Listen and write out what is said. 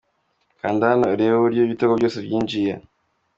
Kanda hano urebe uburyo ibitego byose byinjiye.